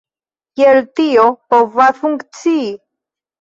Kiel tio povas funkcii??